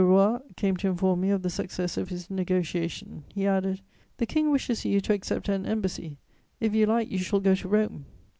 Roy came to inform me of the success of his negociation; he added: "The King wishes you to accept an embassy; if you like, you shall go to Rome."